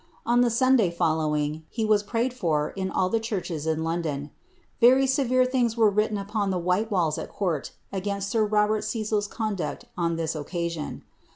On the Sunday following, he was prsTfd for in all the churches in London. Verv severe things were written upon (he white walls at court, against sir Robert Cecil's conduct on ihu occasion.